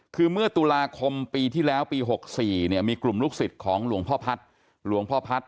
คือเมื่อตุลาคมปีที่แล้วปีหกสี่เนี่ยมีกลุ่มลูกศิษย์ของหลวงพ่อพัทธ์